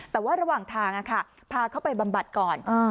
แต่ว่าระหว่างทางพาเขาไปบำบัดก่อน